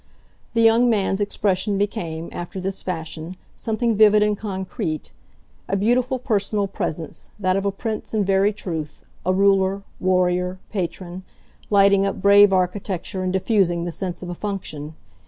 The young man's expression became, after this fashion, something vivid and concrete a beautiful personal presence, that of a prince in very truth, a ruler, warrior, patron, lighting up brave architecture and diffusing the sense of a function.